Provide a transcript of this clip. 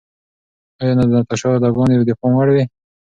ایا د ناتاشا اداګانې د پام وړ وې؟